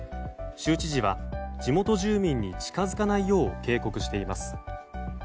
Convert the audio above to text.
州知事は、地元住民に近づかないよう警告しています。